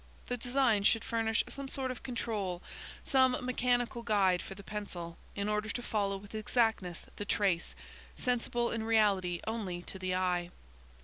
The design should furnish some sort of control, some mechanical guide, for the pencil, in order to follow with exactness the trace, sensible in reality only to the eye.